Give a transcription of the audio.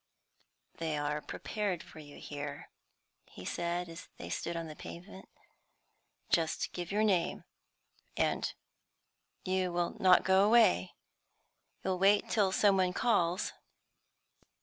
"They are prepared for you here," he said, as they stood on the pavement. "Just give your name. And you will not go away? You will wait till some one calls?"